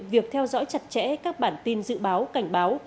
việc theo dõi chặt chẽ các bản tin dự báo cảnh báo